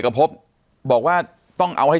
ปากกับภาคภูมิ